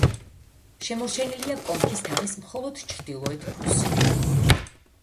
შემორჩენილია კონქის თაღის მხოლოდ ჩრდილოეთ ქუსლი.